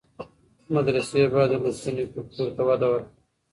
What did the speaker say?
مدرسې باید د لوستنې کلتور ته وده ورکړي.